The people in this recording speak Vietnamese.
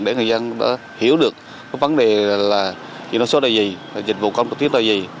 để người dân hiểu được vấn đề là dịch vụ công trực tuyến là gì